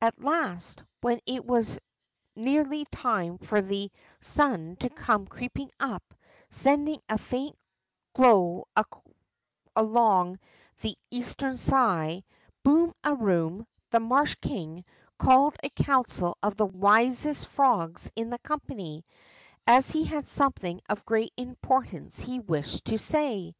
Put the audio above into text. At last, when it was nearly time for the sun to come creeping up, sending a faint glow along the eastern sky, Boom a Boom, the marsh king, called a council of the wisest frogs in the company, as he had something of great importance he wished to say.